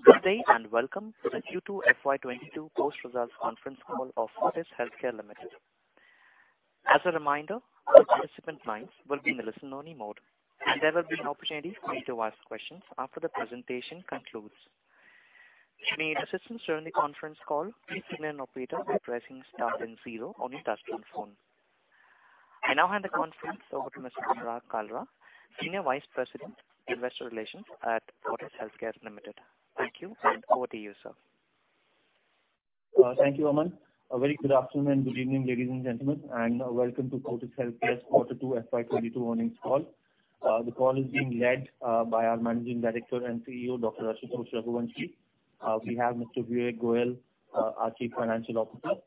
Ladies and gentlemen, good day and welcome to the Q2 FY 2022 post-results conference call of Fortis Healthcare Limited. As a reminder, all participant lines will be in a listen-only mode, and there will be an opportunity for you to ask questions after the presentation concludes. If you need assistance during the conference call, please signal an operator by pressing star then zero on your touchtone phone. I now hand the conference over to Mr. Anurag Kalra, Senior Vice President, Investor Relations at Fortis Healthcare Limited. Thank you, and over to you, sir. Thank you, Aman. A very good afternoon and good evening, ladies and gentlemen, and welcome to Fortis Healthcare's Q2 FY 2022 earnings call. The call is being led by our Managing Director and CEO, Dr. Ashutosh Raghuvanshi. We have Mr. Vivek Goyal, our Chief Financial Officer.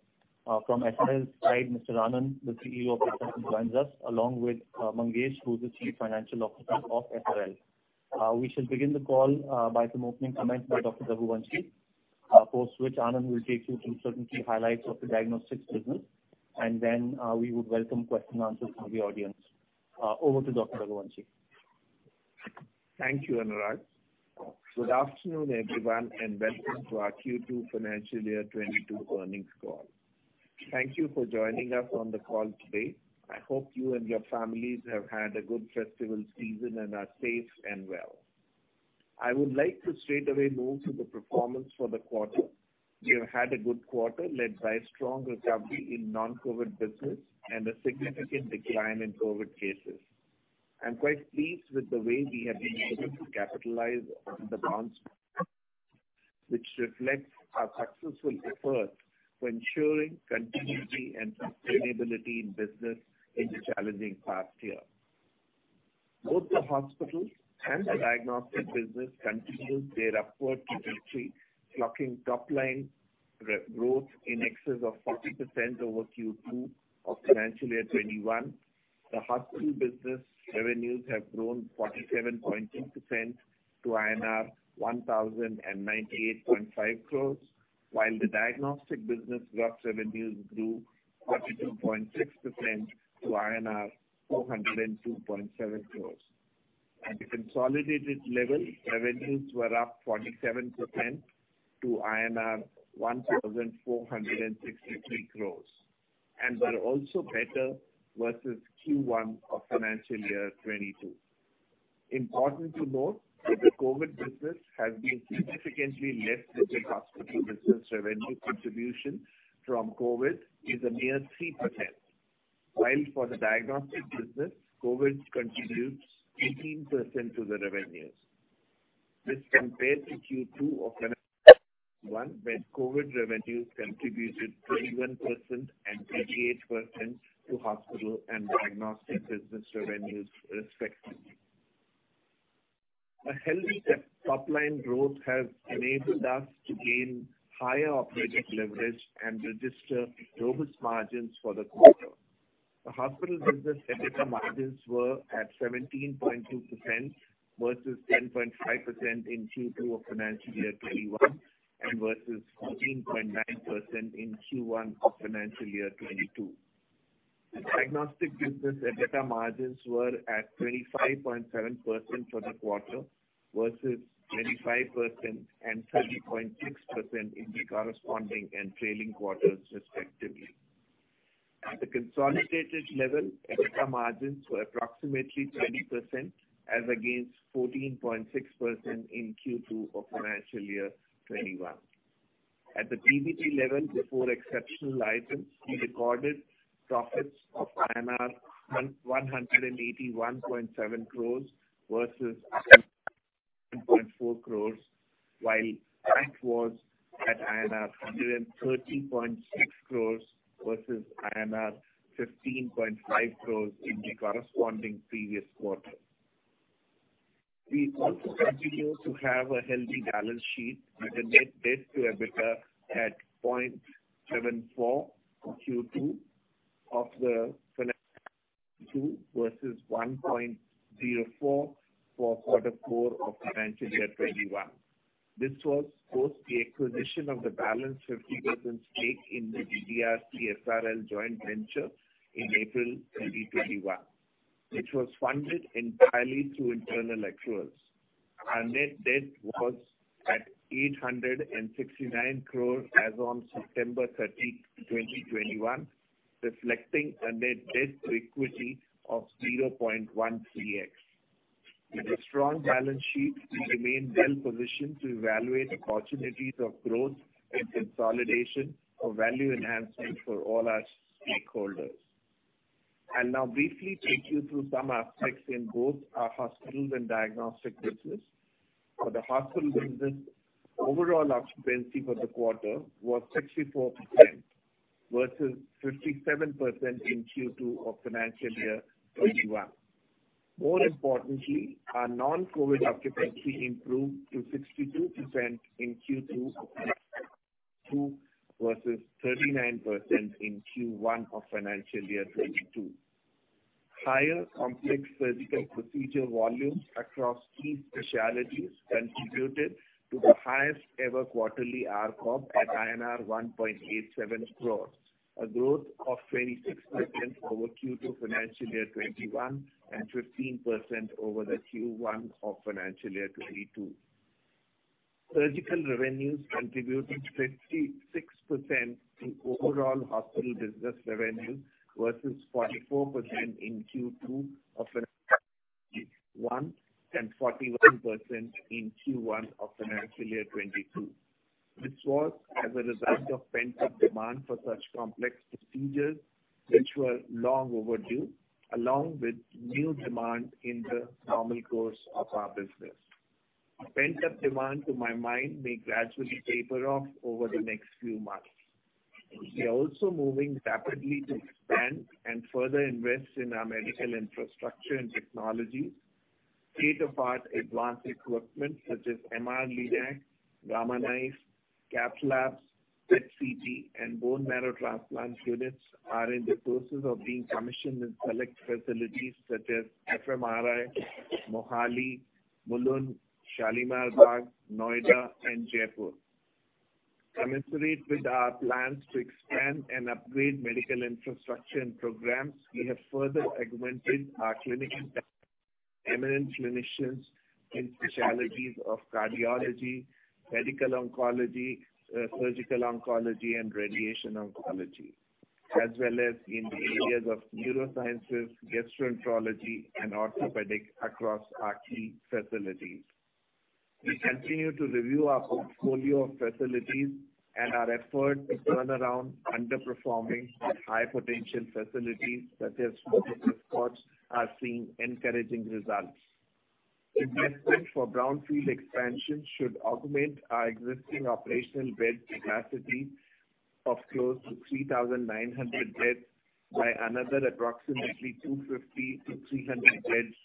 From SRL side, Mr. Anand, the CEO of SRL joins us, along with Mangesh, who's the Chief Financial Officer of SRL. We shall begin the call by some opening comments by Dr. Raghuvanshi, for which Anand will take you through certain key highlights of the diagnostics business, and then we would welcome questions and answers from the audience. Over to Dr. Raghuvanshi. Thank you, Anurag. Good afternoon, everyone, and welcome to our Q2 FY 2022 earnings call. Thank you for joining us on the call today. I hope you and your families have had a good festival season and are safe and well. I would like to straightaway move to the performance for the quarter. We have had a good quarter, led by strong recovery in non-COVID business and a significant decline in COVID cases. I'm quite pleased with the way we have been able to capitalize on the bounce, which reflects our successful efforts to ensuring continuity and sustainability in business in the challenging past year. Both the hospitals and the diagnostic business continued their upward trajectory, clocking top-line re-growth in excess of 40% over Q2 of FY 2021. The hospital business revenues have grown 47.2% to INR 1,098.5 crores, while the diagnostic business lab revenues grew 42.6% to INR 402.7 crores. At the consolidated level, revenues were up 47% to INR 1,463 crores and were also better versus Q1 of FY 2022. Important to note that the COVID business has been significantly less with the hospital business revenue contribution from COVID is a mere 3%, while for the diagnostic business, COVID contributes 18% to the revenues. This compared to Q2 of FY 2021, when COVID revenues contributed 31% and 28% to hospital and diagnostic business revenues respectively. A healthy top-line growth has enabled us to gain higher operating leverage and register robust margins for the quarter. The hospital business EBITDA margins were at 17.2% versus 10.5% in Q2 of Financial Year 2021 and versus 14.9% in Q1 of Financial Year 2022. The diagnostic business EBITDA margins were at 25.7% for the quarter versus 25% and 30.6% in the corresponding and trailing quarters respectively. At the consolidated level, EBITDA margins were approximately 20% as against 14.6% in Q2 of Financial Year 2021. At the PBT level, before exceptional items, we recorded profits of INR 1,181.7 crores versus 10.4 crores while tax was at INR 130.6 crores versus INR 15.5 crores in the corresponding previous quarter. We also continue to have a healthy balance sheet with a net debt to EBITDA at 0.74x in Q2 of FY 2022 versus 1.04x for Q4 of FY 2021. This was post the acquisition of the balance 50% stake in the DDRC-SRL joint venture in April 2021. It was funded entirely through internal accruals. Our net debt was at 869 crore as on September 30, 2021, reflecting a net debt to equity of 0.13x. With a strong balance sheet, we remain well positioned to evaluate opportunities of growth and consolidation for value enhancement for all our stakeholders. I'll now briefly take you through some aspects in both our hospitals and diagnostic business. For the hospital business, overall occupancy for the quarter was 64% versus 57% in Q2 of Financial Year 2021. More importantly, our non-COVID occupancy improved to 62% in Q2 of Financial Year 2022 versus 39% in Q1 of Financial Year 2022. Higher complex surgical procedure volumes across key specialties contributed to the highest ever quarterly ARPOB at INR 1.87 crores, a growth of 26% over Q2 Financial Year 2021 and 15% over the Q1 of Financial Year 2022. Surgical revenues contributed 56% to overall hospital business revenue versus 44% in Q2 of Financial Year 2021, and 41% in Q1 of Financial Year 2022. This was as a result of pent-up demand for such complex procedures which were long overdue, along with new demand in the normal course of our business. Pent-up demand, to my mind, may gradually taper off over the next few months. We are also moving rapidly to expand and further invest in our medical infrastructure and technology. State-of-the-art advanced equipment such as MR Linac, Gamma Knife, Cath Labs, ECG, and bone marrow transplant units are in the process of being commissioned in select facilities such as FMRI, Mohali, Mulund, Shalimar Bagh, Noida, and Jaipur. Commensurate with our plans to expand and upgrade medical infrastructure and programs, we have further augmented our clinically eminent clinicians in specialties of cardiology, medical oncology, surgical oncology and radiation oncology, as well as in the areas of neurosciences, gastroenterology and orthopedic across our key facilities. We continue to review our portfolio of facilities and our effort to turn around underperforming yet high potential facilities such as Fortis Escorts are seeing encouraging results. Investment for brownfield expansion should augment our existing operational bed capacity of close to 3,900 beds by another approximately 250-300 beds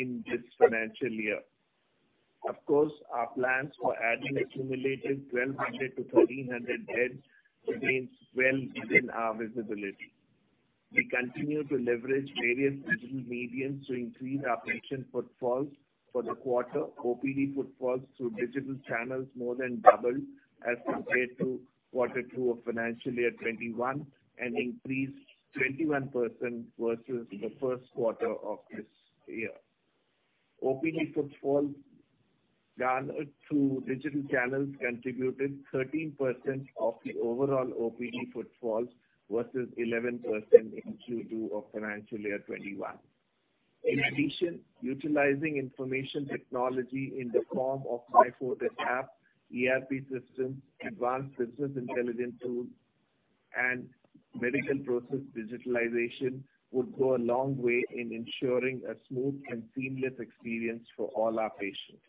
in this financial year. Of course, our plans for adding a cumulative 1,200-1,300 beds remains well within our visibility. We continue to leverage various digital mediums to increase our patient footfalls. For the quarter, OPD footfalls through digital channels more than doubled as compared to quarter two of financial year 2021, and increased 21% versus the first quarter of this year. OPD footfalls garnered through digital channels contributed 13% of the overall OPD footfalls versus 11% in Q2 of financial year 2022. In addition, utilizing information technology in the form of myFortis app, ERP system, advanced business intelligence tools, and medical process digitalization will go a long way in ensuring a smooth and seamless experience for all our patients.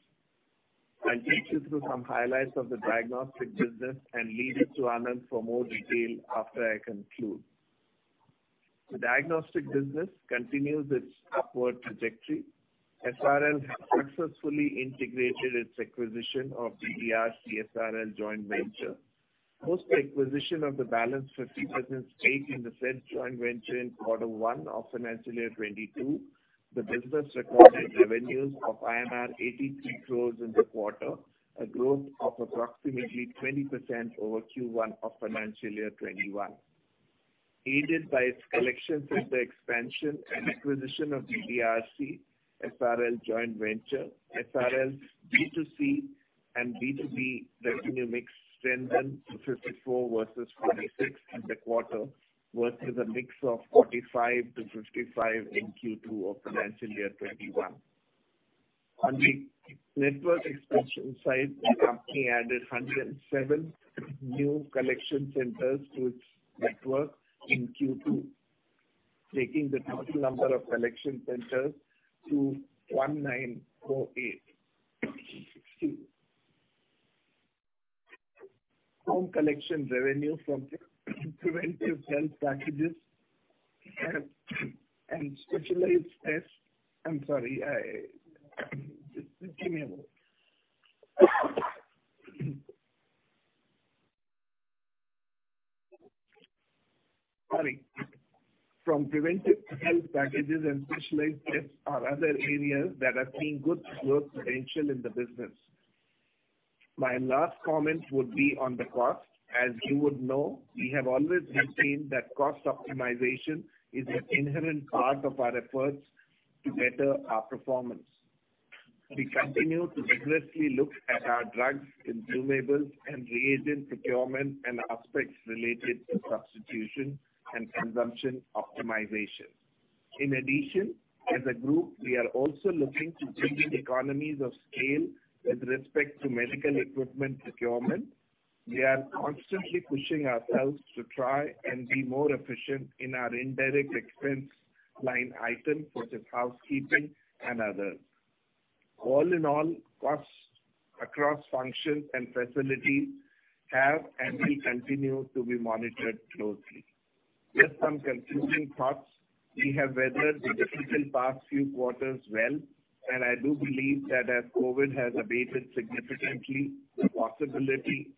I'll take you through some highlights of the diagnostic business and leave it to Anand for more detail after I conclude. The diagnostic business continues its upward trajectory. SRL has successfully integrated its acquisition of DDRC SRL joint venture. Post acquisition of the balance 50% stake in the said joint venture in quarter 1 of financial year 2022, the business recorded revenues of 83 crores in the quarter, a growth of approximately 20% over Q1 of financial year 2021. Aided by its collection center expansion and acquisition of DDRC SRL joint venture, SRL's B2C and B2B revenue mix strengthened to 54 versus 46 in the quarter versus a mix of 45-55 in Q2 of financial year 2021. On the network expansion side, the company added 107 new collection centers to its network in Q2, taking the total number of collection centers to 1948. Home collection revenue from preventive health packages and specialized tests are other areas that are seeing good growth potential in the business. My last comment would be on the cost. As you would know, we have always maintained that cost optimization is an inherent part of our efforts to better our performance. We continue to vigorously look at our drugs and consumables and reagent procurement and aspects related to substitution and consumption optimization. In addition, as a group, we are also looking to building economies of scale with respect to medical equipment procurement. We are constantly pushing ourselves to try and be more efficient in our indirect expense line item such as housekeeping and others. All in all, costs across functions and facilities have and will continue to be monitored closely. Just some concluding thoughts. We have weathered the difficult past few quarters well, and I do believe that as COVID has abated significantly, the probability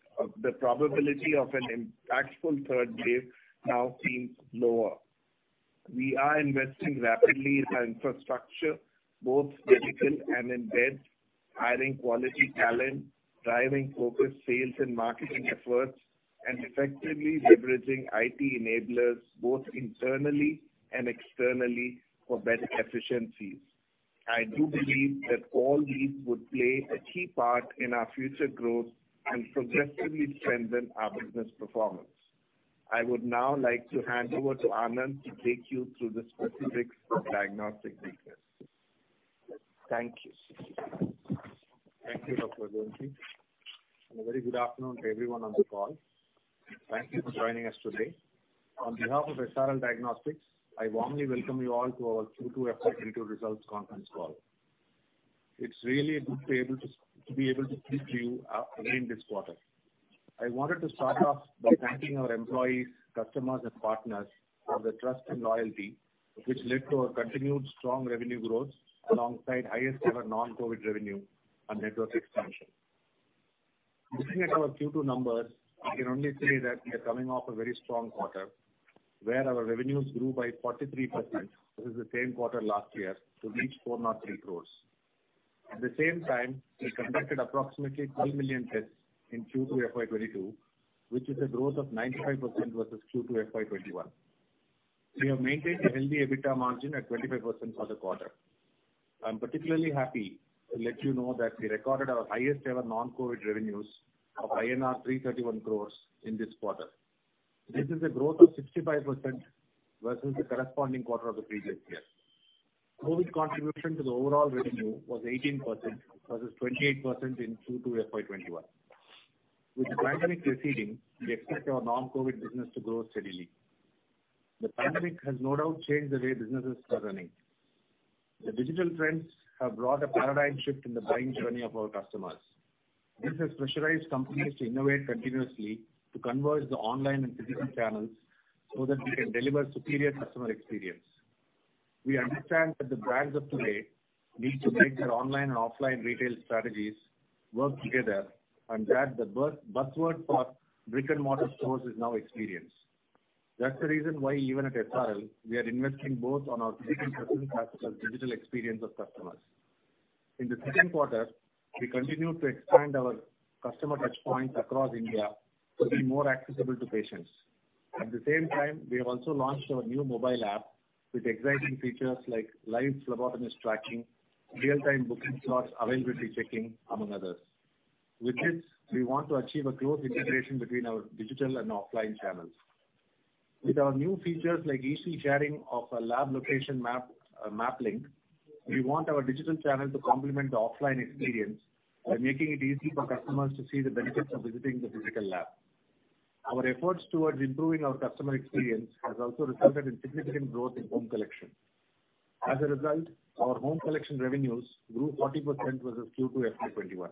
of an impactful third wave now seems lower. We are investing rapidly in our infrastructure, both physical and in depth, hiring quality talent, driving focused sales and marketing efforts, and effectively leveraging IT enablers both internally and externally for better efficiencies. I do believe that all these would play a key part in our future growth and progressively strengthen our business performance. I would now like to hand over to Anand to take you through the specifics of diagnostic details. Thank you. Thank you, Dr. Raghuvanshi, and a very good afternoon to everyone on the call. Thank you for joining us today. On behalf of SRL Diagnostics, I warmly welcome you all to our Q2 FY 2022 results conference call. It's really good to be able to speak to you again this quarter. I wanted to start off by thanking our employees, customers and partners for their trust and loyalty, which led to our continued strong revenue growth alongside highest ever non-COVID revenue and network expansion. Looking at our Q2 numbers, we can only say that we are coming off a very strong quarter, where our revenues grew by 43% versus the same quarter last year to reach 403 crore. At the same time, we conducted approximately 12 million tests in Q2 FY 2022, which is a growth of 95% versus Q2 FY 2021. We have maintained a healthy EBITDA margin at 25% for the quarter. I am particularly happy to let you know that we recorded our highest ever non-COVID revenues of INR 331 crores in this quarter. This is a growth of 65% versus the corresponding quarter of the previous year. COVID contribution to the overall revenue was 18% versus 28% in Q2 FY 2021. With the pandemic receding, we expect our non-COVID business to grow steadily. The pandemic has no doubt changed the way businesses are running. The digital trends have brought a paradigm shift in the buying journey of our customers. This has pressurized companies to innovate continuously to converge the online and physical channels so that we can deliver superior customer experience. We understand that the brands of today need to make their online and offline retail strategies work together, and that the buzzword for brick and mortar stores is now experience. That's the reason why even at SRL, we are investing both on our physical presence as well as digital experience of customers. In the second quarter, we continued to expand our customer touch points across India to be more accessible to patients. At the same time, we have also launched our new mobile app with exciting features like live phlebotomist tracking, real-time booking slots availability checking, among others. With this, we want to achieve a close integration between our digital and offline channels. With our new features like easy sharing of a lab location map link, we want our digital channel to complement the offline experience by making it easy for customers to see the benefits of visiting the physical lab. Our efforts toward improving our customer experience has also resulted in significant growth in home collection. As a result, our home collection revenues grew 40% versus Q2 FY 2021.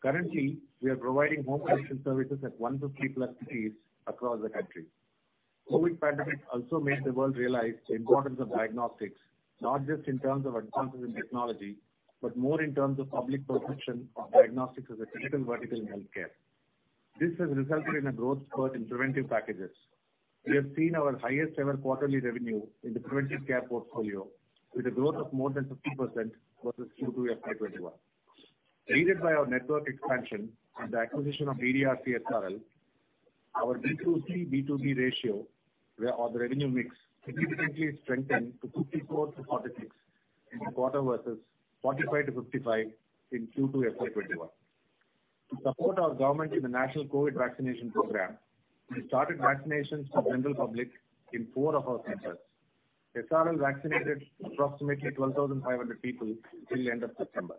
Currently, we are providing home collection services at one to three plus fees across the country. COVID pandemic also made the world realize the importance of diagnostics, not just in terms of advances in technology, but more in terms of public perception of diagnostics as a critical vertical in healthcare. This has resulted in a growth spurt in preventive packages. We have seen our highest ever quarterly revenue in the preventive care portfolio with a growth of more than 50% versus Q2 FY 2021. Led by our network expansion and the acquisition of DDRC SRL, our B2C/B2B ratio or the revenue mix significantly strengthened to 54/46 in the quarter versus 45/55 in Q2 FY 2021. To support our government in the national COVID vaccination program, we started vaccinations for general public in 4 of our centers. SRL vaccinated approximately 12,500 people till the end of September.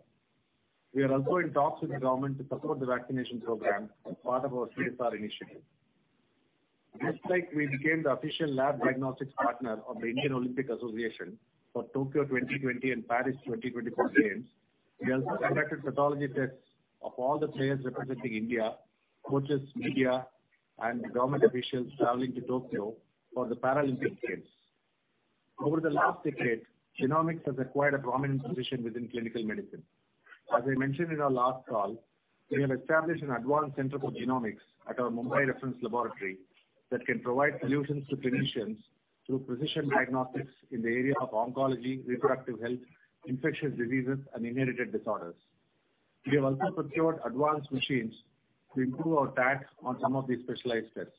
We are also in talks with the government to support the vaccination program as part of our CSR initiative. Just like we became the official lab diagnostics partner of the Indian Olympic Association for Tokyo 2020 and Paris 2024 games, we also conducted pathology tests of all the players representing India, coaches, media and government officials traveling to Tokyo for the Paralympic Games. Over the last decade, genomics has acquired a prominent position within clinical medicine. As I mentioned in our last call, we have established an advanced center for genomics at our Mumbai reference laboratory that can provide solutions to clinicians through precision diagnostics in the area of oncology, reproductive health, infectious diseases, and inherited disorders. We have also procured advanced machines to improve our TAT on some of these specialized tests.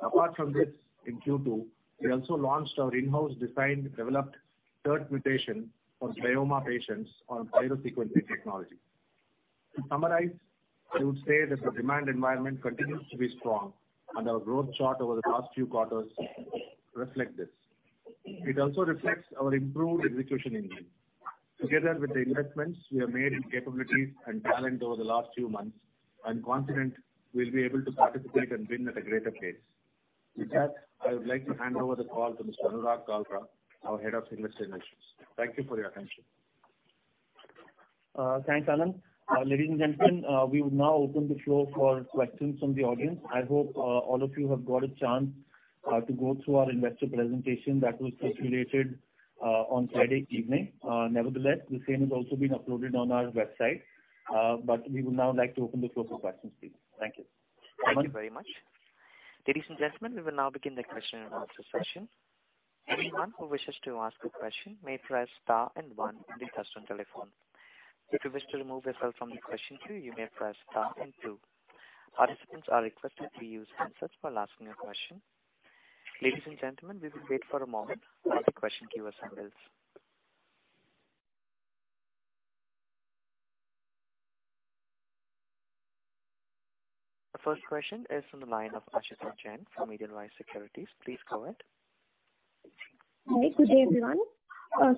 Apart from this, in Q2, we also launched our in-house designed, developed third mutation for Glioma patients on pyrosequencing technology. To summarize, I would say that the demand environment continues to be strong, and our growth chart over the last few quarters reflect this. It also reflects our improved execution engine. Together with the investments we have made in capabilities and talent over the last few months, I'm confident we'll be able to participate and win at a greater pace. With that, I would like to hand over the call to Mr. Anurag Kalra, our Head of Investor Relations. Thank you for your attention. Thanks, Anand. Ladies and gentlemen, we will now open the floor for questions from the audience. I hope all of you have got a chance to go through our investor presentation that was circulated on Friday evening. Nevertheless, the same has also been uploaded on our website, but we would now like to open the floor for questions, please. Thank you. Thank you very much. Ladies and gentlemen, we will now begin the question and answer session. Anyone who wishes to ask a question may press star and one on their touchtone telephone. If you wish to remove yourself from the question queue, you may press star and two. Participants are requested to use handsets while asking a question. Ladies and gentlemen, we will wait for a moment while the question queue assembles. The first question is from the line of Aashita Jain from Edelweiss Securities. Please go ahead. Hi. Good day, everyone.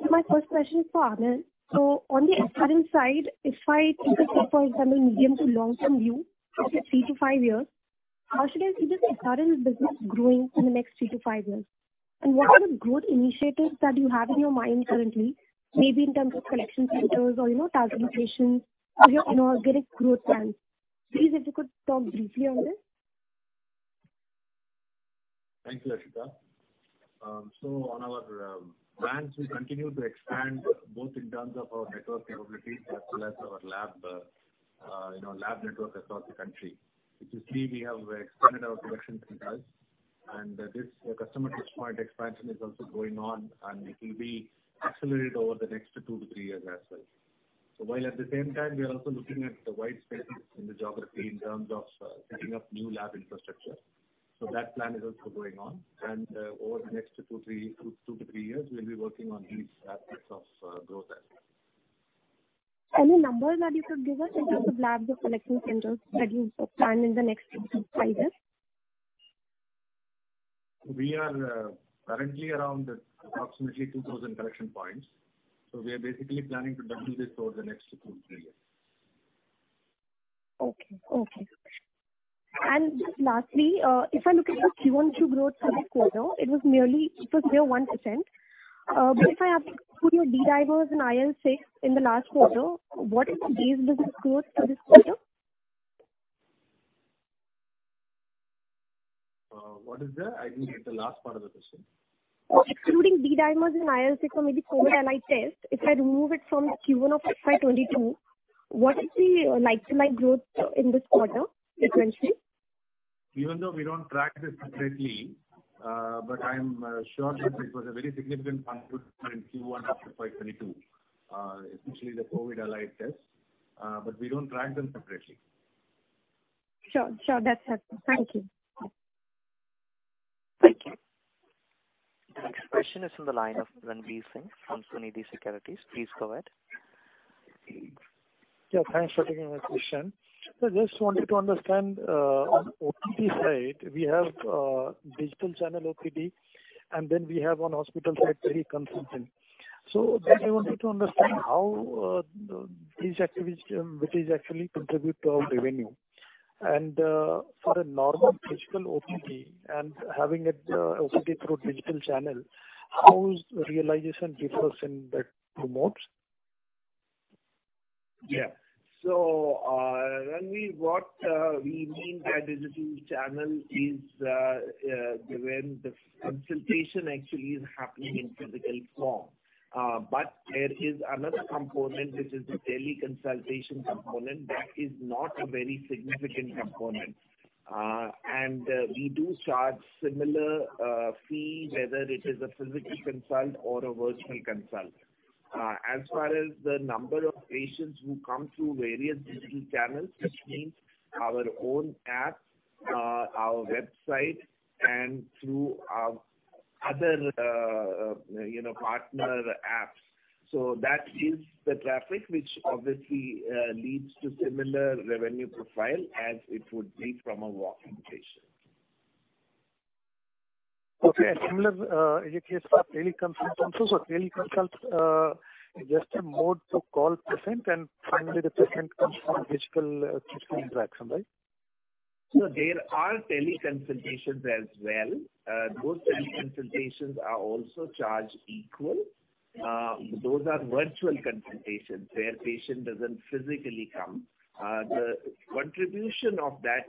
My first question is for Anand. On the diagnostics side, if I take a look, for example, medium to long term view, let's say three to five years, how should I see this diagnostics business growing in the next three to five years? And what are the growth initiatives that you have in your mind currently, maybe in terms of collection centers or, you know, target patients or your inorganic growth plans? Please, if you could talk briefly on this. Thanks, Aashita. So on our brands, we continue to expand both in terms of our network capabilities as well as our lab, you know, lab network across the country. Which is key, we have expanded our collection centers. This customer touchpoint expansion is also going on, and it will be accelerated over the next two to three years as well. While at the same time, we are also looking at the white spaces in the geography in terms of setting up new lab infrastructure. That plan is also going on. Over the next two to three years, we'll be working on these aspects of growth as well. Any numbers that you could give us in terms of labs or collection centers that you plan in the next two to five years? We are currently around approximately 2000 collection points. We are basically planning to double this over the next two to three years. Okay. Lastly, if I look at the QoQ growth for this quarter, it was near 1%. But if I have to put aside the D-dimer and IL-6 in the last quarter, what is the base business growth for this quarter? What is that? I didn't get the last part of the question. Excluding D-dimer and IL-6 or maybe COVID antibody test, if I remove it from Q1 of FY 2022, what is the like-for-like growth in this quarter sequentially? Even though we don't track this separately, but I'm sure that it was a very significant contributor in Q1 of FY 2022, especially the COVID antibody test. We don't track them separately. Sure, sure. That's helpful. Thank you. Thank you. The next question is from the line of Ranvir Singh from Sunidhi Securities. Please go ahead. Yeah, thanks for taking my question. I just wanted to understand on OPD side we have digital channel OPD, and then we have on hospital side teleconsulting. I wanted to understand how these activities which is actually contribute to our revenue. For a normal physical OPD and having a OPD through digital channel, how is realization differs in the two modes? Ranvir, what we mean by digital channel is when the consultation actually is happening in physical form. There is another component, which is the teleconsultation component. That is not a very significant component. We do charge similar fee, whether it is a physical consult or a virtual consult. As far as the number of patients who come through various digital channels, which means our own app, our website, and through our other, you know, partner apps. That is the traffic which obviously leads to similar revenue profile as it would be from a walk-in patient. Okay. Similar is the case for teleconsult also. Teleconsult just a mode to call patient and finally the patient comes for physical interaction, right? There are teleconsultations as well. Those teleconsultations are also charged equal. Those are virtual consultations where patient doesn't physically come. The contribution of that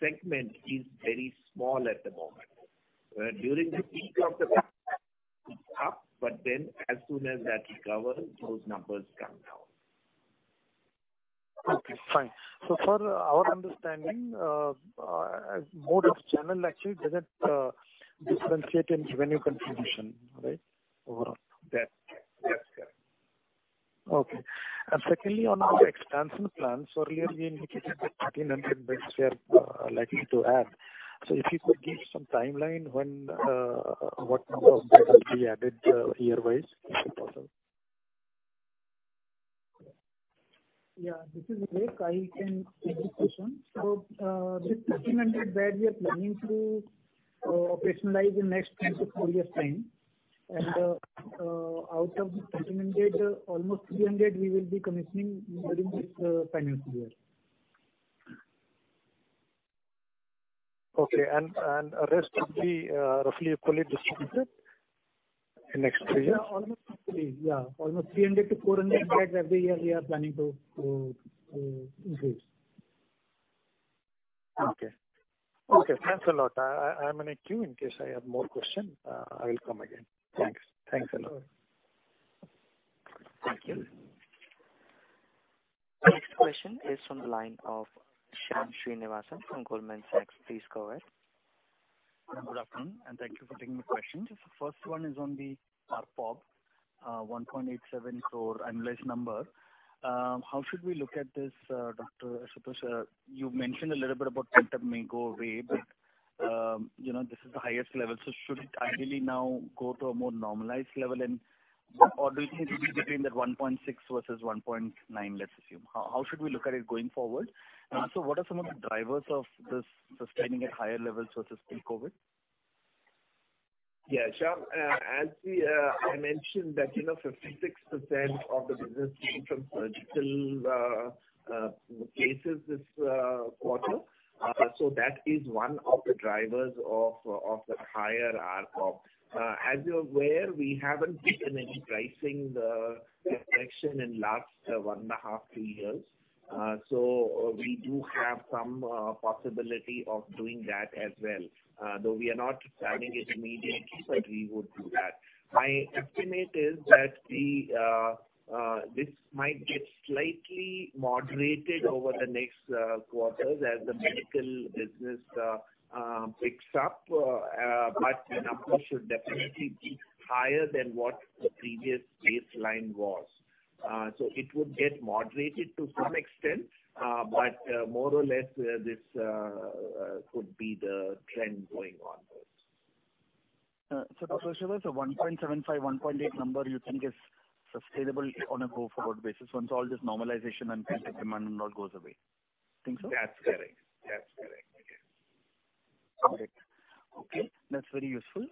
segment is very small at the moment. During the peak of the up, but then as soon as that recovers, those numbers come down. Okay, fine. For our understanding, mode of channel actually doesn't differentiate in revenue contribution, right? Overall. Yeah. Yes, correct. Okay. Secondly, on our expansion plans, earlier we indicated that 1,300 beds we are likely to add. If you could give some timeline when what number of bed will be added year-wise, if possible. Yeah, this is Vivek. I can take this question. This 1,300 bed we are planning to operationalize in next 24 years time. Out of the 1,300, almost 300 we will be commissioning during this financial year. Okay. Rest will be roughly equally distributed in next three years? Yeah, almost equally. Yeah. Almost 300-400 beds every year we are planning to increase. Okay, thanks a lot. I'm in a queue in case I have more question, I will come again. Thanks a lot. Thank you. The next question is from the line of Shyam Srinivasan from Goldman Sachs. Please go ahead. Good afternoon, and thank you for taking the questions. First one is on the ARPOB, 1.87 crore annualized number. How should we look at this, doctor? I suppose you mentioned a little bit about pent-up may go away, but you know, this is the highest level. So should it ideally now go to a more normalized level and or will it be between the 1.6 crore versus 1.9 crore, let's assume. How should we look at it going forward? So what are some of the drivers of this sustaining at higher levels versus pre-COVID? Yeah, sure. As I mentioned that, you know, 56% of the business came from surgical cases this quarter. That is one of the drivers of the higher ARPOB. As you're aware, we haven't taken any pricing correction in last one and half to two years. We do have some possibility of doing that as well. Though we are not planning it immediately, but we would do that. My estimate is that this might get slightly moderated over the next quarters as the medical business picks up, but the numbers should definitely be higher than what the previous baseline was. It would get moderated to some extent, but more or less, this could be the trend going onwards. 1.75, 1.8 number you think is sustainable on a go-forward basis once all this normalization and pent-up demand and all goes away. Think so? That's correct. Yes. Got it. Okay. That's very useful.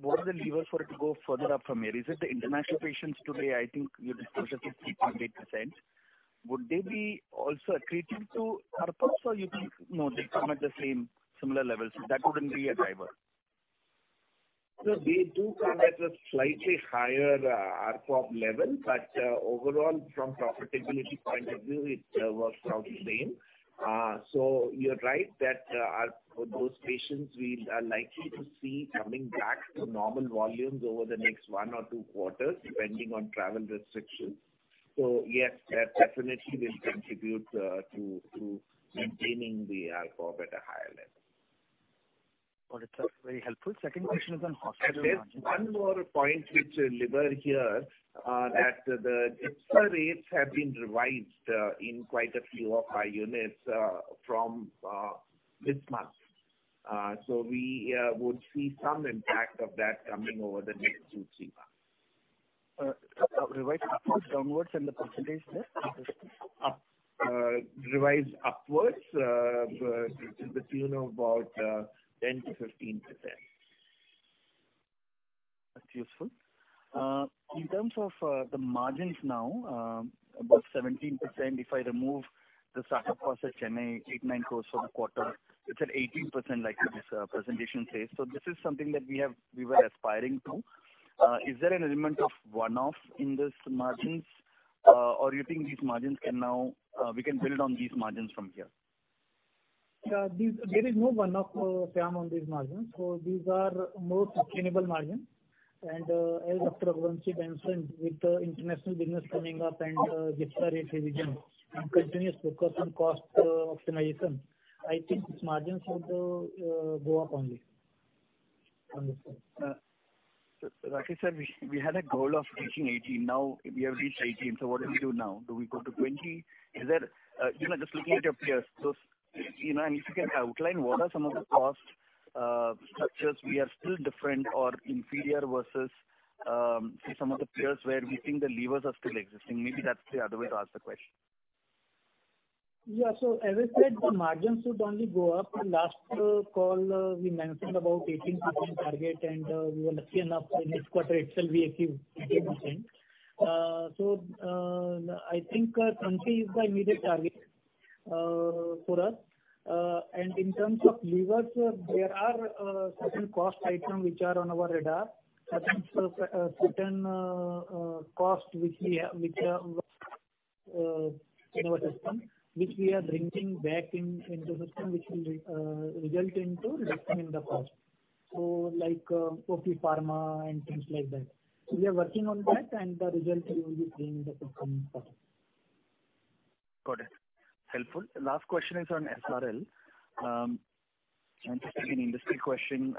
What are the levers for it to go further up from here? Is it the international patients today? I think you discussed 58%. Would they be also accretive to ARPOB or you think, no, they come at the same similar levels, that wouldn't be a driver. They do come at a slightly higher ARPOB level, but overall, from profitability point of view, it works out the same. You're right that those patients we are likely to see coming back to normal volumes over the next one or two quarters, depending on travel restrictions. Yes, that definitely will contribute to maintaining the ARPOB at a higher level. Got it, sir. Very helpful. Second question is on hospital. There's one more point which we deliver here that the GIPSA rates have been revised in quite a few of our units from this month. We would see some impact of that coming over the next two to three months. Revised upwards, downwards in the percentage, sir? Revised upwards to the tune of about 10%-15%. That's useful. In terms of the margins now, about 17% if I remove the startup cost at Chennai, 8 crore-9 crore for the quarter, it's at 18% like this presentation says. This is something that we were aspiring to. Is there an element of one-off in these margins, or you think we can build on these margins from here? Yeah. There is no one-off, Shyam, on these margins. These are more sustainable margins. As Dr. Ashutosh Raghuvanshi mentioned, with the international business coming up and GIPSA rate revision and continuous focus on cost optimization, I think margins would go up only. Vivek, sir, we had a goal of reaching 18%. Now we have reached 18%. What do we do now? Do we go to 20%? Is there, you know, just looking at your peers, you know, and if you can outline what are some of the cost structures we are still different or inferior versus, say some of the peers where we think the levers are still existing. Maybe that's the other way to ask the question. Yeah. As I said, the margins should only go up. Last call, we mentioned about 18% target, and we were lucky enough to, in this quarter itself, achieve 18%. I think 20% is the immediate target for us. In terms of levers, there are certain cost items which are on our radar. Certain costs which we have, which in our system, which we are bringing back into system, which will result into reduction in the cost. Like, captive pharmacy and things like that. We are working on that and the results we will be seeing in the coming quarters. Got it. Helpful. Last question is on SRL. Just like an industry question,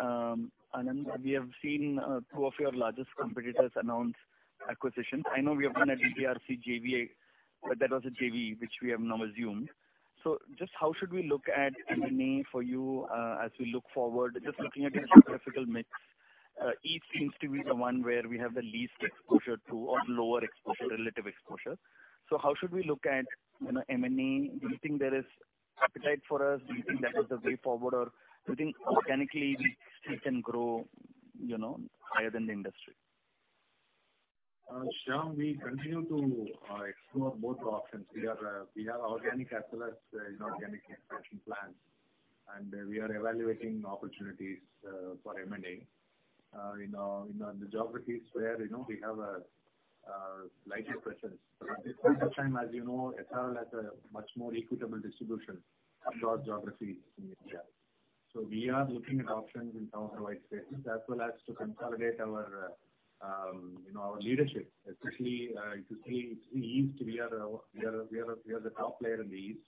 Anand, we have seen two of your largest competitors announce acquisitions. I know we have done a DDRC JV, but that was a JV which we have now resumed. Just how should we look at M&A for you as we look forward, just looking at your geographical mix, east seems to be the one where we have the least exposure to or lower exposure, relative exposure. How should we look at, you know, M&A? Do you think there is appetite for us? Do you think that is the way forward or do you think organically we still can grow, you know, higher than the industry? Shyam, we continue to explore both options. We have organic as well as inorganic expansion plans, and we are evaluating opportunities for M&A. You know the geographies where you know we have a lighter presence. At this point of time, as you know, SRL has a much more equitable distribution across geographies in India. We are looking at options in terms of white spaces as well as to consolidate our you know our leadership, especially if you see East, we are the top player in the East.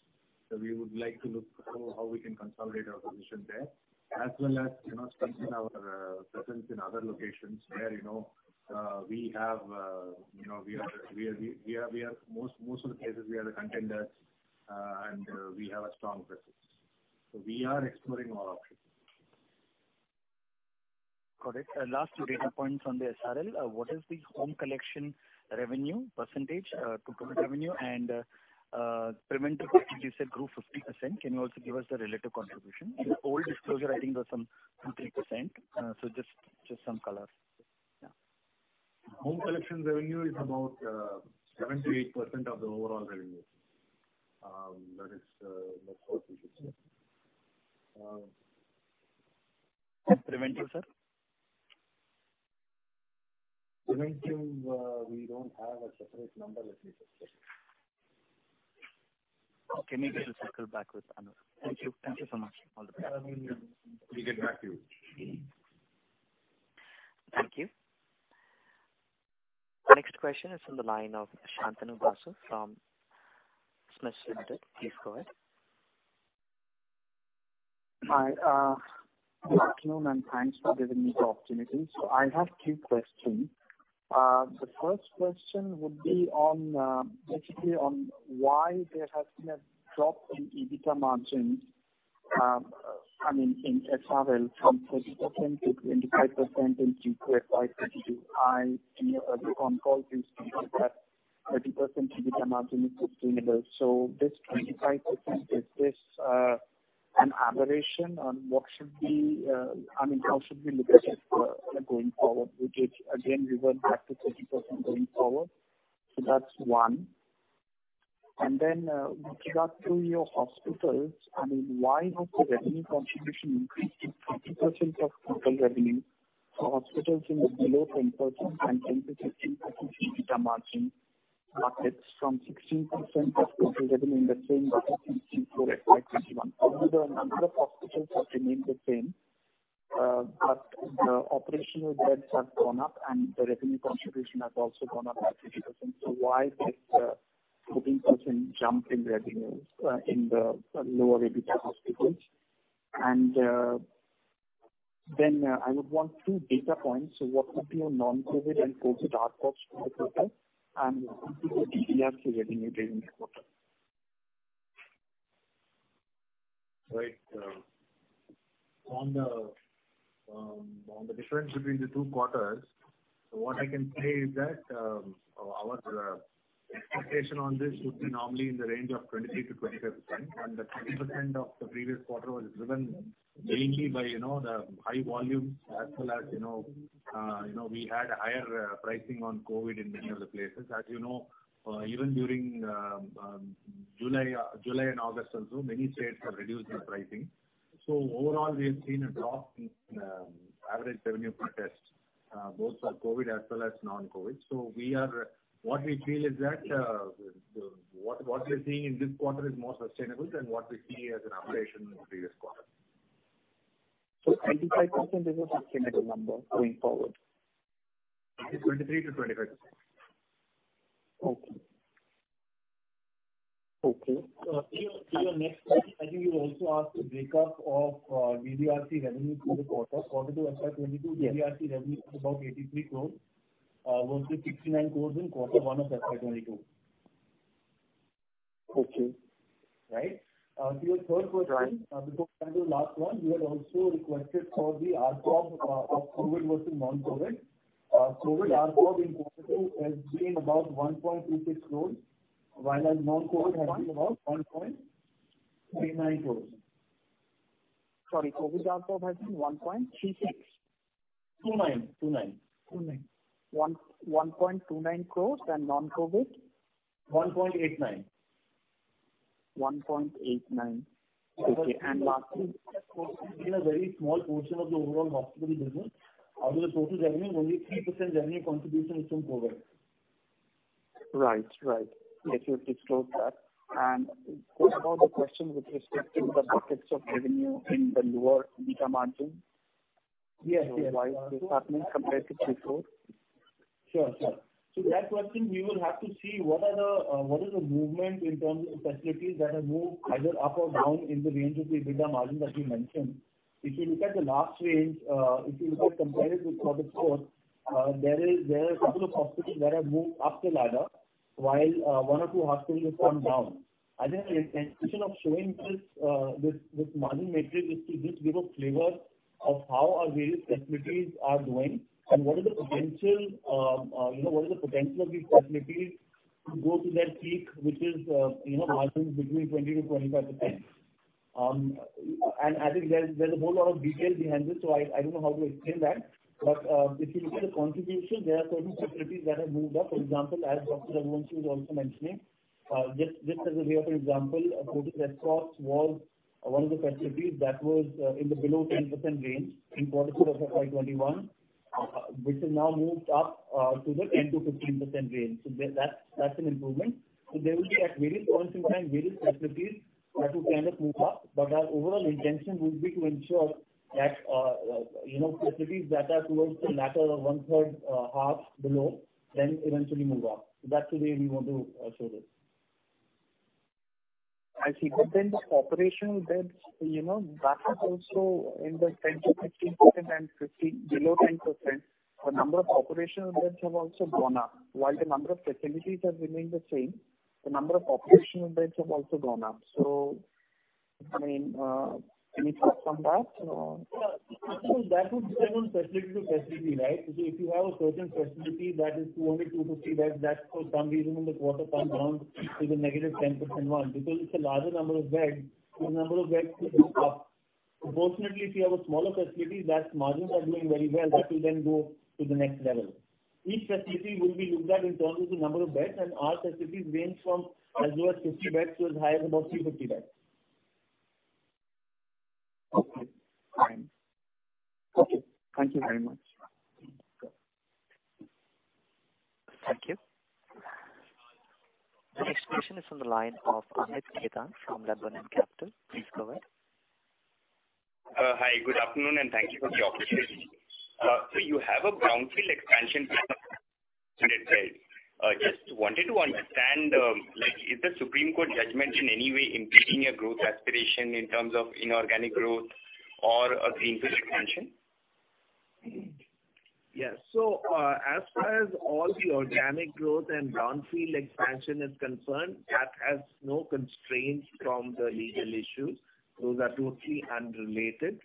We would like to look for how we can consolidate our position there as well as you know strengthen our presence in other locations where you know in most cases we are the contenders and we have a strong presence. We are exploring all options. Correct. Last two data points on the SRL. What is the home collection revenue percentage to total revenue? Preventive, you said grew 50%. Can you also give us the relative contribution? In the old disclosure, I think it was some 2%-3%. So just some color. Yeah. Home collection revenue is about 7%-8% of the overall revenue. That is, that's what we should say. Preventive, sir? Preventive, we don't have a separate number that we can share. Okay. Maybe we'll circle back with Anurag. Thank you. Thank you so much. All the best. We'll get back to you. Thank you. The next question is on the line of Shantanu Basu from SMIFS Limited. Please go ahead. Hi, good afternoon, and thanks for giving me the opportunity. I have two questions. The first question would be on, basically on why there has been a drop in EBITDA margin, I mean, in SRL from 30% to 25% in Q2 FY 2022. On the call you stated that 30% EBITDA margin is sustainable. This 25%, is this, an aberration on what should be, I mean, how should we look at it, going forward? Would it again revert back to 30% going forward? That's one. With regard to your hospitals, I mean, why has the revenue contribution increased to 30% of total revenue for hospitals in the below 10% and 10%-15% EBITDA margin markets from 16% of total revenue in the same quarter in Q4 FY 2021? Although the number of hospitals have remained the same, but the operational beds have gone up and the revenue contribution has also gone up by 30%. Why this 14% jump in revenues in the lower EBITDA hospitals? I would want two data points. What would be your non-COVID and COVID ARPOBs for the quarter? And DDRC revenue during the quarter. Right. On the difference between the two quarters, what I can say is that, our expectation on this would be normally in the range of 23%-25%. The 20% of the previous quarter was driven mainly by, you know, the high volumes as well as, you know, you know, we had a higher pricing on COVID in many of the places. As you know, even during July and August also, many states have reduced their pricing. Overall, we have seen a drop in average revenue per test, both for COVID as well as non-COVID. What we feel is that, what we are seeing in this quarter is more sustainable than what we see as an aberration in the previous quarter. 25% is a sustainable number going forward? 23%-25%. Okay. Okay. To your next question, I think you also asked the breakup of DDRC revenue for the quarter. Q2 FY 2022 DDRC revenue was about 83 crores versus 69 crores in Q1 of FY 2022. Okay. Right? To your third question. Right. Before coming to the last one, you had also requested for the ARPOB of COVID versus non-COVID. COVID ARPOB in quarter two has been about 1.26 crores, whereas non-COVID has been about 1.29 crores. Sorry, COVID ARPOB has been 1.36? 29. 29. 29. 1.29 crores. Non-COVID? 1.89 crores. 1.89. Okay. Lastly, COVID has been a very small portion of the overall hospital business. Out of the total revenue, only 3% revenue contribution is from COVID. Right. Right. Yes, you have disclosed that. What about the question with respect to the buckets of revenue in the lower EBITDA margin? Yes. Yes. Why this happening compared to Q4? Sure. That question we will have to see what is the movement in terms of facilities that have moved either up or down in the range of the EBITDA margin that you mentioned. If you look at the last range, if you look at comparative with quarter four, there are a couple of hospitals that have moved up the ladder while, one or two hospitals have come down. I think the intention of showing this this margin matrix is to just give a flavor of how our various facilities are doing and what is the potential, you know, of these facilities to go to their peak, which is, you know, margins between 20%-25%. I think there's a whole lot of detail behind this, so I don't know how to explain that. If you look at the contribution, there are certain facilities that have moved up. For example, as Dr. Ashutosh Raghuvanshi was also mentioning, just as a way of an example, Lotus Red Cross was one of the facilities that was in the below 10% range in quarter two of FY 2021. Which has now moved up to the 10%-15% range. That's an improvement. There will be at various points in time various facilities that will kind of move up. Our overall intention will be to ensure that you know facilities that are towards the latter of one-third half below then eventually move up. That today we want to show this. I see. The operational beds, you know, that is also in the 10%-15% and 50 below 10%. The number of operational beds have also gone up. While the number of facilities has remained the same, the number of operational beds have also gone up. I mean, can you talk on that or? Yeah. That would depend on facility to facility, right? Because if you have a certain facility that is 200-250 beds, that for some reason in the quarter come down to the -10% mark. Because it's a larger number of beds, the number of beds could go up. Unfortunately, if you have a smaller facility that margins are doing very well, that will then go to the next level. Each facility will be looked at in terms of the number of beds and our facilities range from as low as 50 beds to as high as about 300 beds. Okay, fine. Okay. Thank you very much. Thank you. The next question is from the line of Amit Khetan from Laburnum Capital. Please go ahead. Hi, good afternoon, and thank you for the opportunity. You have a brownfield expansion plan. Just wanted to understand, like is the Supreme Court judgment in any way impeding your growth aspiration in terms of inorganic growth or greenfield expansion? As far as all the organic growth and brownfield expansion is concerned, that has no constraints from the legal issues. Those are totally unrelated.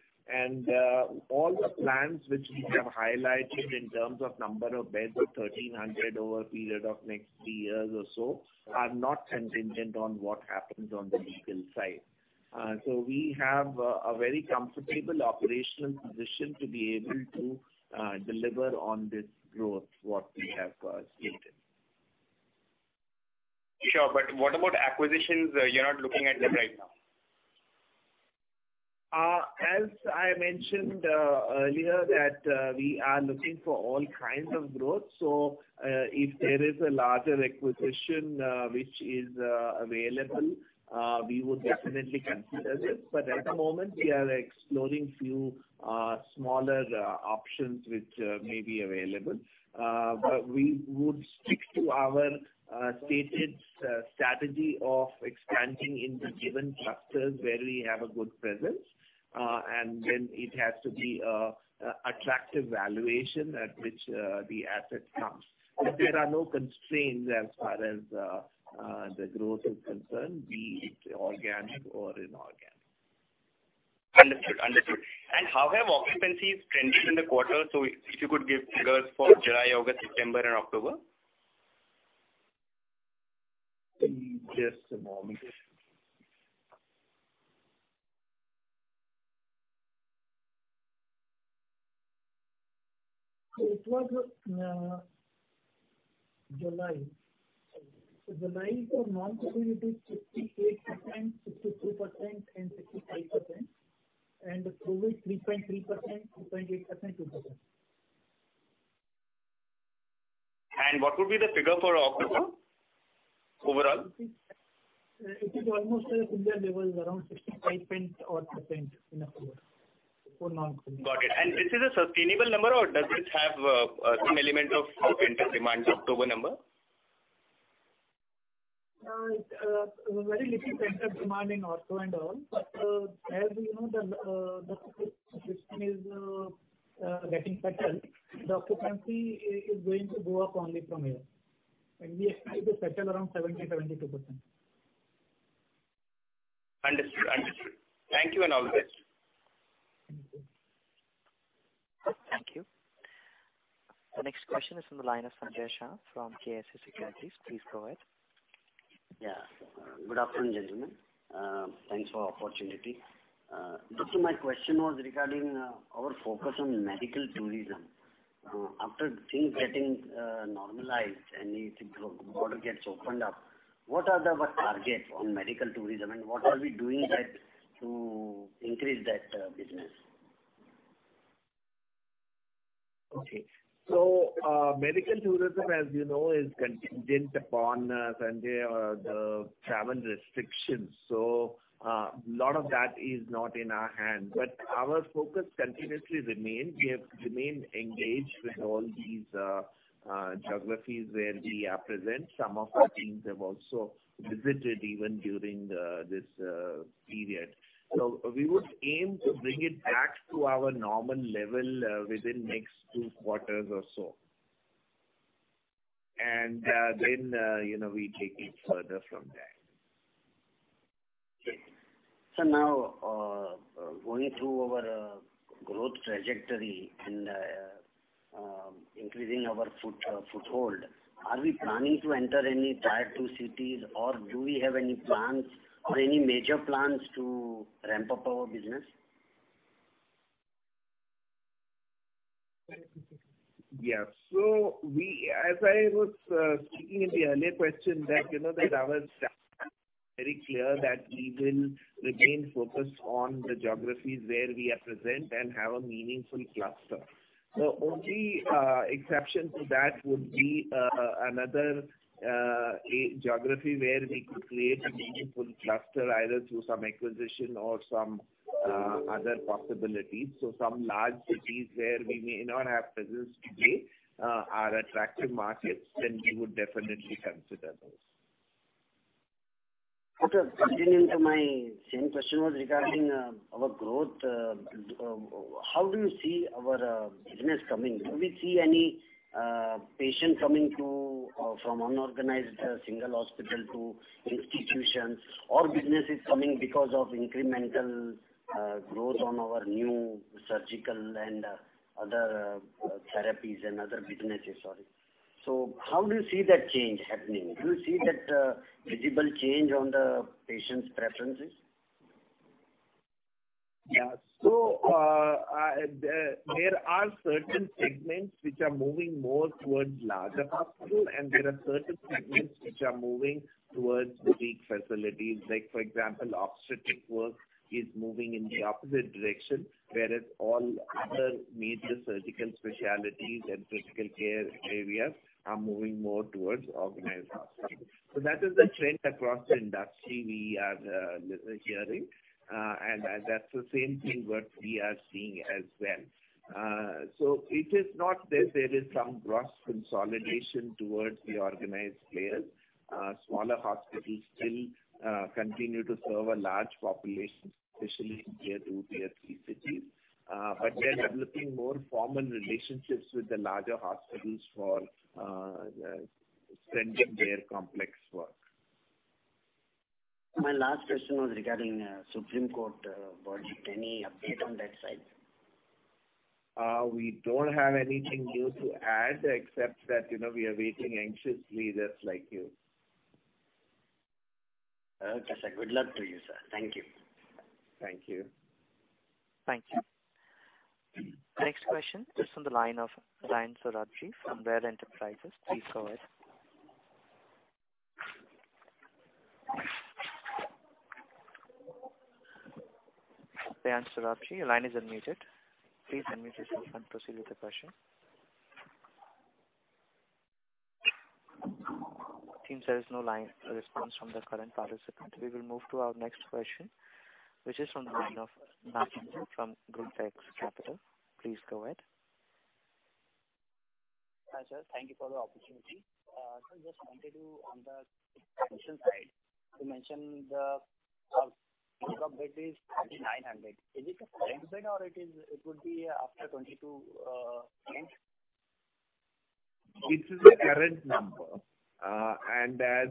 All the plans which we have highlighted in terms of number of beds of 1,300 over a period of next three years or so are not contingent on what happens on the legal side. We have a very comfortable operational position to be able to deliver on this growth, what we have stated. Sure. What about acquisitions? You're not looking at them right now? As I mentioned earlier that we are looking for all kinds of growth. If there is a larger acquisition which is available, we would definitely consider it. At the moment we are exploring few smaller options which may be available. We would stick to our stated strategy of expanding in the given clusters where we have a good presence. Then it has to be attractive valuation at which the asset comes. There are no constraints as far as the growth is concerned, be it organic or inorganic. Understood. How have occupancies trended in the quarter? If you could give figures for July, August, September and October. Just a moment. It was July. July for non-COVID bed is 58%, 62%, and 65%. The COVID was 3.3%, 2.8%, 2%. What would be the figure for October overall? It is almost at similar levels, around 65-odd% in October for non-COVID bed. Got it. This is a sustainable number or does this have some element of pent-up demand, October number? Very little pent-up demand in ortho and all. As you know, the system is getting settled, the occupancy is going to go up only from here. We expect it to settle around 70%-72%. Understood. Thank you and all the best. Thank you. The next question is from the line of Sanjay Shah from KSA Securities. Please go ahead. Yeah. Good afternoon, gentlemen. Thanks for the opportunity. Just my question was regarding our focus on medical tourism. After things getting normalized and the border gets opened up, what are our targets on medical tourism, and what are we doing to increase that business? Okay. Medical tourism, as you know, is contingent upon Sanjay, the travel restrictions. A lot of that is not in our hands. Our focus continuously remain. We have remained engaged with all these geographies where we are present. Some of our teams have also visited even during this period. We would aim to bring it back to our normal level within next two quarters or so. Then, you know, we take it further from there. Okay. Now, going through our growth trajectory and increasing our foothold, are we planning to enter any Tier 2 cities, or do we have any plans or any major plans to ramp up our business? As I was speaking in the earlier question that, you know, our strategy very clear that we will remain focused on the geographies where we are present and have a meaningful cluster. The only exception to that would be another geography where we could create a meaningful cluster either through some acquisition or some other possibilities. Some large cities where we may not have presence today are attractive markets, then we would definitely consider those. Okay. Continuing to my same question was regarding our growth. How do you see our business coming? Do we see any patient coming to from unorganized single hospital to institutions or business is coming because of incremental growth on our new surgical and other therapies and other businesses? Sorry. How do you see that change happening? Do you see that visible change on the patients' preferences? There are certain segments which are moving more towards larger hospital, and there are certain segments which are moving towards boutique facilities. Like for example, obstetric work is moving in the opposite direction, whereas all other major surgical specialties and critical care areas are moving more towards organized hospitals. That is the trend across the industry we are hearing, and that's the same thing what we are seeing as well. It is not that there is some gross consolidation towards the organized players. Smaller hospitals still continue to serve a large population, especially in tier 2, tier 3 cities. They're developing more formal relationships with the larger hospitals for sending their complex work. My last question was regarding Supreme Court verdict. Any update on that side? We don't have anything new to add except that, you know, we are waiting anxiously just like you. Okay, sir. Good luck to you, sir. Thank you. Thank you. Thank you. Next question is from the line of Ryan Suraj from Rare Enterprises. Please go ahead. Ryan Suraj, your line is unmuted. Please unmute yourself and proceed with the question. It seems there is no line response from the current participant. We will move to our next question, which is from the line of Negeendra Kumar from Growthx Capital. Please go ahead. Hi sir. Thank you for the opportunity. Sir, just wanted to on the expansion side, you mentioned the bed is 3,900. Is it a current bed or it would be after 2022 ends? This is the current number. As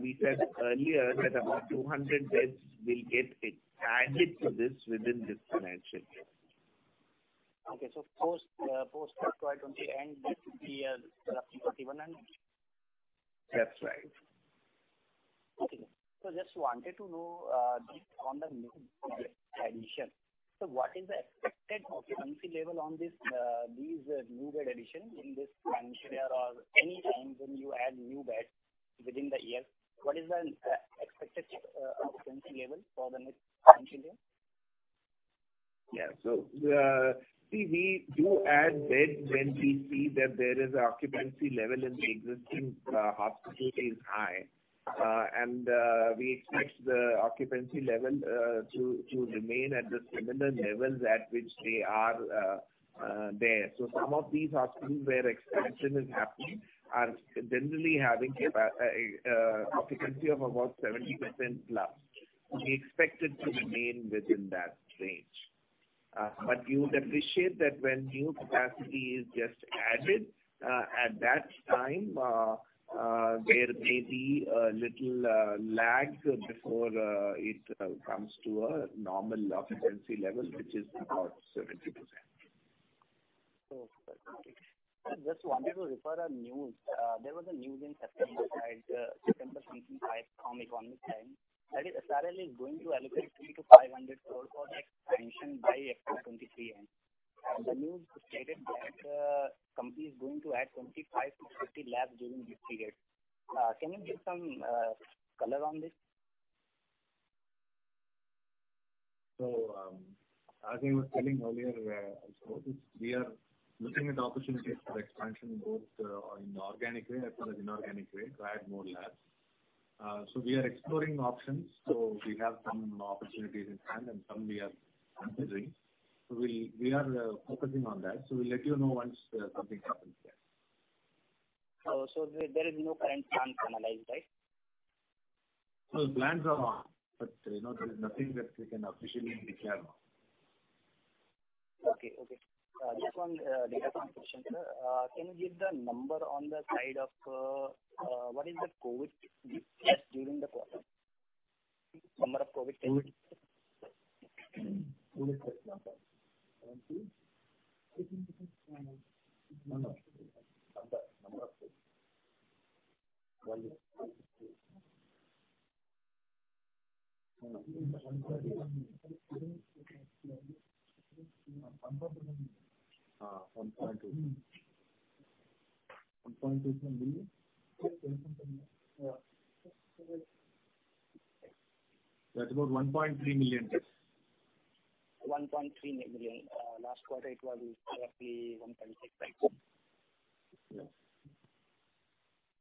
we said earlier that about 200 beds will get added to this within this financial year. Okay. Post March 2022 end, that would be roughly 4,100. That's right. Just wanted to know, just on the new bed addition. What is the expected occupancy level on this, these new bed additions in this financial year or any time when you add new beds within the year? What is the expected occupancy level for the next financial year? We do add beds when we see that there is occupancy level in the existing hospital is high. We expect the occupancy level to remain at the similar levels at which they are there. Some of these hospitals where expansion is happening are generally having a occupancy of about 70%+. We expect it to remain within that range. You would appreciate that when new capacity is just added at that time there may be a little lag before it comes to a normal occupancy level, which is about 70%. Okay. I just wanted to refer a news. There was a news in September 5 from The Economic Times, that is, SRL is going to allocate 300 crore-500 crore for expansion by April 2023 end. The news stated that, company is going to add 25-50 labs during this period. Can you give some color on this? As I was telling earlier, also, we are looking at opportunities for expansion both in organic way as well as inorganic way to add more labs. We are exploring options. We have some opportunities in hand and some we are considering. We are focusing on that. We'll let you know once something happens there. There is no current plans analyzed, right? Well, plans are on, but, you know, there is nothing that we can officially declare now. Okay. Just one data point question, sir. Can you give the number on the side of what is the COVID mix during the quarter? Number of COVID cases. COVID case number 1.2 million. I think it is nine. Number of COVID value. 1.1 million. 1.2 million. That's about 1.3 million test. 1.3 million. Last quarter it was roughly 1.65 million.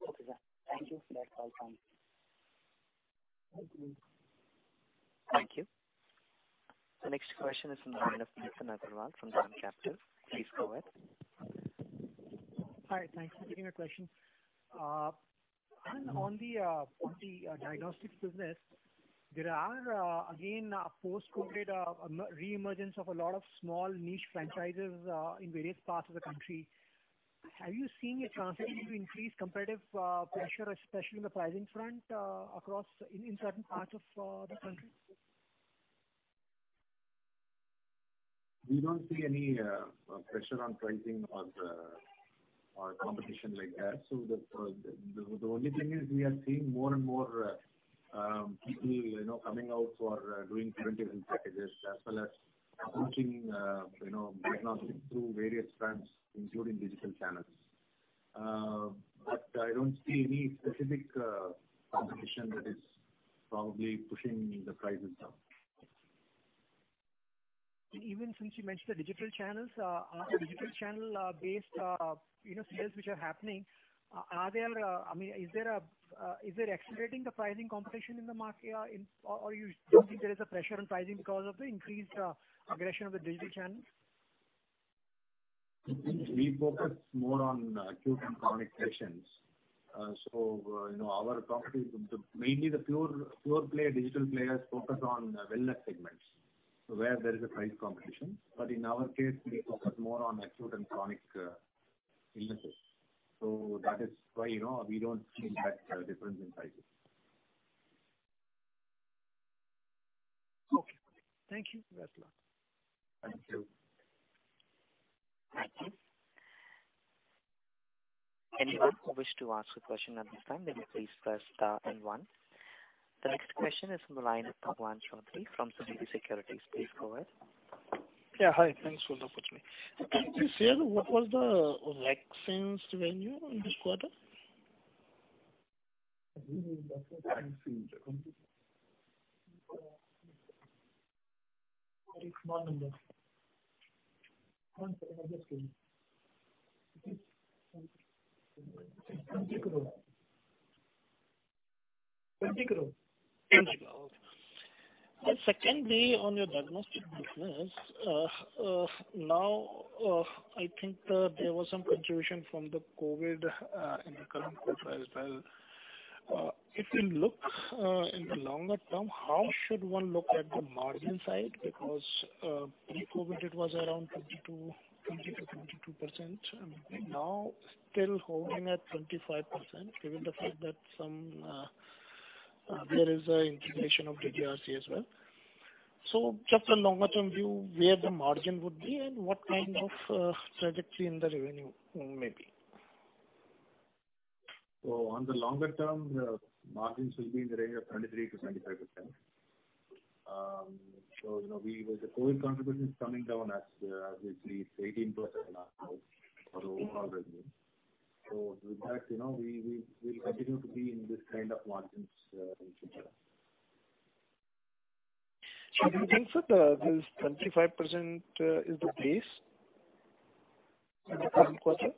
Okay, thank you. That's all from me. Thank you. Thank you. The next question is from the line of Nitin Agarwal from DAM Capital. Please go ahead. Hi, thanks for taking my question. On the diagnostics business, there are again post-COVID reemergence of a lot of small niche franchises in various parts of the country. Have you seen a transaction increase competitive pressure, especially in the pricing front, across in certain parts of the country? We don't see any pressure on pricing or competition like that. The only thing is we are seeing more and more people, you know, coming out for doing preventive health packages as well as approaching, you know, diagnostics through various trends, including digital channels. I don't see any specific competition that is probably pushing the prices down. Ever since you mentioned the digital channels, are the digital channel-based sales which are happening, are there, you know, I mean, is there, is it accelerating the pricing competition in the market or you don't think there is a pressure on pricing because of the increased aggression of the digital channels? We focus more on acute and chronic patients. You know, our company mainly the pure play digital players focus on wellness segments where there is a price competition. In our case, we focus more on acute and chronic illnesses. That is why, you know, we don't see that difference in pricing. Okay. Thank you. Thank you. Thank you. Anyone who wish to ask a question at this time, then you please press star and one. The next question is from the line of Bhagwan Chaudhary from Sunidhi Securities. Please go ahead. Yeah. Hi. Thanks for the opportunity. Can you share what was the vaccines revenue in this quarter? Very small number. INR 20 crore. INR 20 crore. Okay. Secondly, on your diagnostic business, now I think there was some contribution from the COVID in the current quarter as well. If we look in the longer term, how should one look at the margin side? Because pre-COVID it was around 20%-22%. Now still holding at 25%, given the fact that there is an integration of DDRC as well. Just a longer term view where the margin would be and what kind of trajectory in the revenue maybe. On the longer term, margins will be in the range of 23%-25%. You know, we with the COVID contribution coming down as we see it's 18% of our overall revenue. With that, you know, we will continue to be in this kind of margins in future. Do you think that this 25% is the base in the current quarter?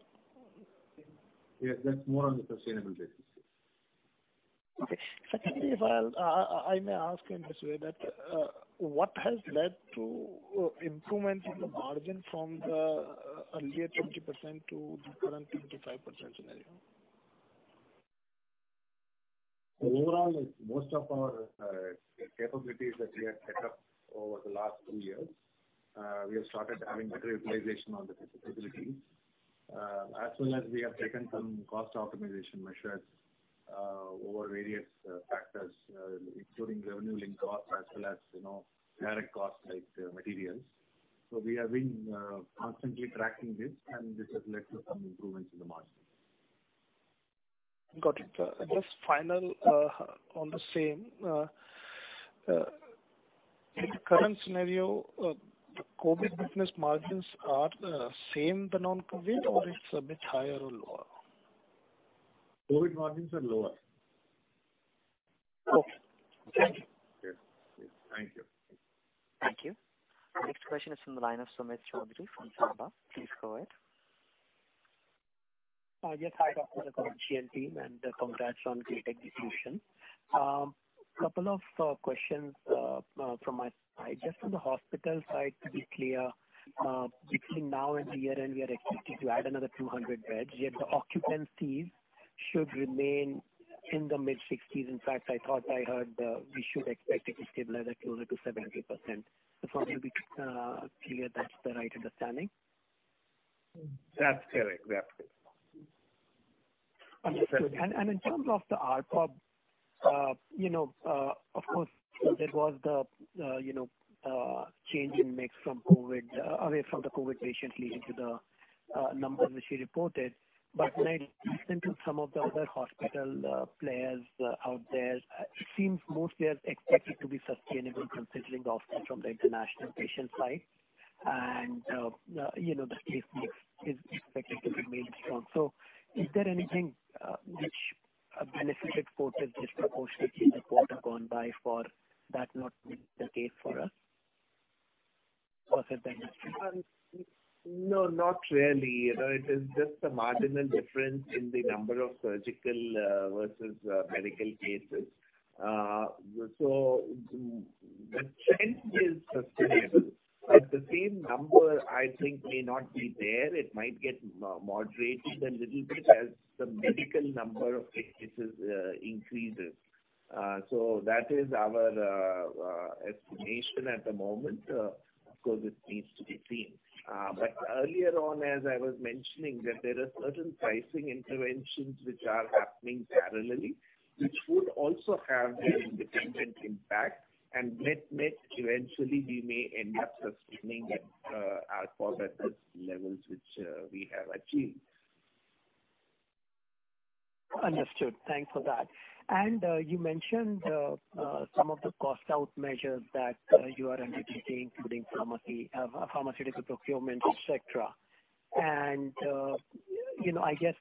Yes, that's more on the sustainable basis, yes. Okay. Secondly, if I'll, I may ask you in this way that, what has led to improvement in the margin from the earlier 20% to the current 25% scenario? Overall, most of our capabilities that we have set up over the last two years, we have started having better utilization on the capacity. As well as we have taken some cost optimization measures, over various factors, including revenue linked costs as well as, you know, direct costs like materials. We have been constantly tracking this, and this has led to some improvements in the margin. Got it. Just final, on the same, in the current scenario, the COVID business margins are same the non-COVID or it's a bit higher or lower? COVID margins are lower. Okay. Thank you. Yes. Thank you. Thank you. Next question is from the line of Sumit Choudhary from Zaaba. Please go ahead. Yes. Hi, Dr. Ashutosh Raghuvanshi, GM team, and congrats on great execution. Couple of questions from my side. Just on the hospital side, to be clear, between now and the year-end, we are expecting to add another 200 beds, yet the occupancies should remain in the mid-60s%. In fact, I thought I heard we should expect it to stabilize at closer to 70%. Just want to be clear that's the right understanding. That's correct. Understood. In terms of the ARPOB, you know, of course there was the change in mix from COVID away from the COVID patients leading to the numbers which you reported. When I listen to some of the other hospital players out there, it seems mostly as expected to be sustainable considering the uptick from the international patient side. You know, the case mix is expected to remain strong. Is there anything which benefited Fortis disproportionately in the quarter gone by for that not being the case for us? Or is it that No, not really. You know, it is just a marginal difference in the number of surgical versus medical cases. The trend is sustainable. The same number I think may not be there. It might get moderated a little bit as the medical number of cases increases. That is our estimation at the moment. Of course, it needs to be seen. Earlier on, as I was mentioning, that there are certain pricing interventions which are happening parallelly, which would also have an independent impact. Net-net eventually we may end up sustaining at our corporate levels which we have achieved. Understood. Thanks for that. You mentioned some of the cost out measures that you are undertaking, including pharmacy, pharmaceutical procurement, et cetera. You know, I guess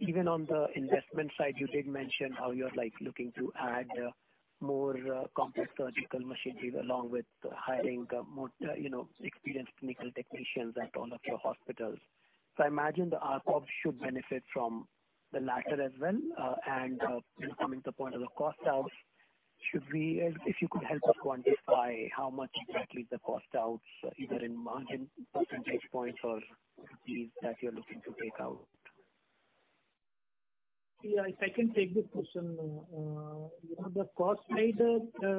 even on the investment side, you did mention how you're like looking to add more complex surgical machinery along with hiring more experienced clinical technicians at all of your hospitals. I imagine the RCoS should benefit from the latter as well. Coming to the point of the cost outs, if you could help us quantify how much exactly the cost outs, either in margin percentage points or rupees that you're looking to take out? Yeah, I can take this question. You know, the cost side, there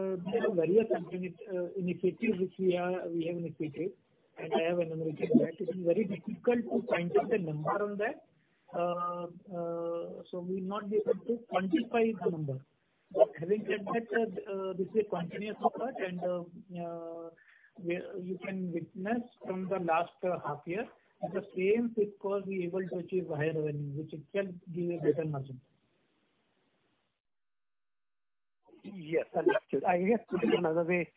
are various company initiatives which we have initiated, and I have enumerated that. It is very difficult to quantify the number on that. We'll not be able to quantify the number. Having said that, this is a continuous effort and you can witness from the last half year, with the same fixed cost we're able to achieve higher revenue, which it can give a better margin. Yes. Understood. I guess putting it another way,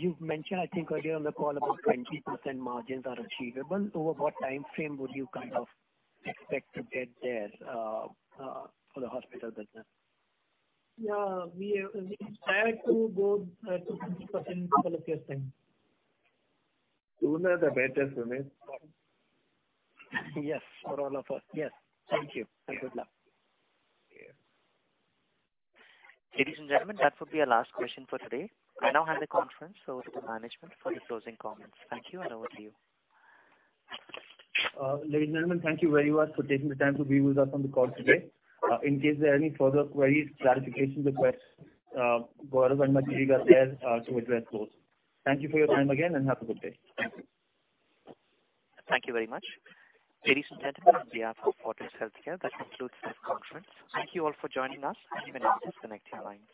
you've mentioned, I think earlier on the call about 20% margins are achievable. Over what timeframe would you kind of expect to get there, for the hospital business? We strive to go to 50% in the shortest time. sooner the better, Sumit. Yes. For all of us. Yes. Thank you and good luck. Yes. Ladies and gentlemen, that would be our last question for today. I now hand the conference over to management for the closing comments. Thank you and over to you. Ladies and gentlemen, thank you very much for taking the time to be with us on the call today. In case there are any further queries, clarification requests, Gaurav and Madhvi are there to address those. Thank you for your time again, and have a good day. Thank you. Thank you very much. Ladies and gentlemen, on behalf of Fortis Healthcare, that concludes this conference. Thank you all for joining us. You may now disconnect your lines.